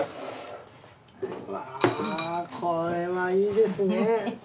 わぁこれはいいですね。